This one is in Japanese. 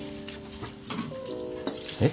えっ？